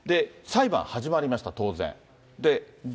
裁判始まりました、当然。